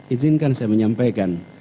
ijinkan saya menyampaikan